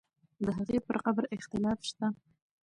د هغې پر قبر اختلاف شته.